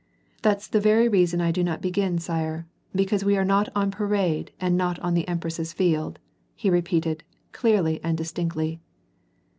^^ That's the very reason that I do not begin, sire, because we are not on parade and not on the Empress's Field," he repeated, clearly and distinctly.